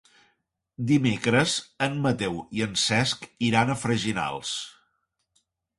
Dimecres en Mateu i en Cesc iran a Freginals.